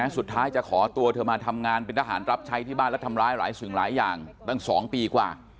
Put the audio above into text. สุดท้ายจะขอตัวเธอมาทำงานเป็นทหารรับใช้ที่บ้านและทำร้ายหลายสิ่งหลายอย่างตั้ง๒ปีกว่า